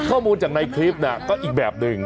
ข้อมูลจากในคลิปก็อีกแบบหนึ่ง